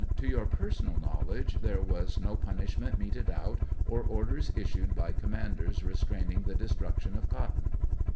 To your personal knowledge, there was no pun ishment meted out or orders issued By commanders restraining the destruction of cotton